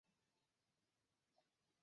三国志魏书东夷倭人传有记述。